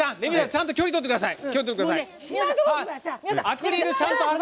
ちゃんと距離とってください！